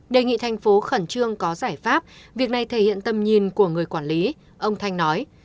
đề nghị thành phố khẩn trương có giải pháp việc này thể hiện tầm nhìn của người quản lý ông thanh nói